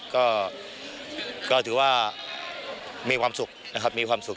ก็ถือว่ามีความสุข